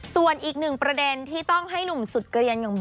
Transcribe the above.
ส่วนอีกหนึ่งประเด็นที่ต้องให้หนุ่มสุดเกลียนอย่างบู